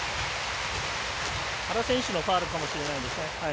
原選手のファウルかもしれないですね。